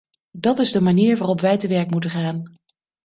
Dat is de manier waarop wij te werk moeten gaan.